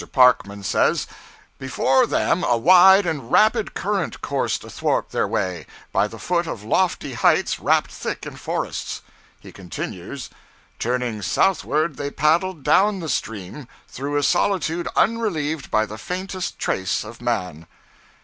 Parkman says: 'Before them a wide and rapid current coursed athwart their way, by the foot of lofty heights wrapped thick in forests.' He continues: 'Turning southward, they paddled down the stream, through a solitude unrelieved by the faintest trace of man.'